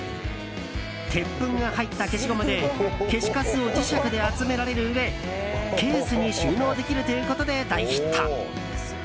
鉄粉が入った消しゴムで消しカスを磁石で集められるうえケースに収納できるということで大ヒット。